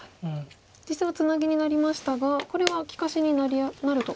実戦はツナギになりましたがこれは利かしになると。